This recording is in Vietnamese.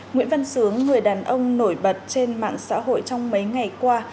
nguyễn văn sướng người đàn ông nổi bật trên mạng xã hội trong mấy ngày qua